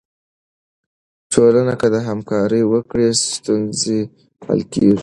ټولنه که همکاري وکړي، ستونزې حل کیږي.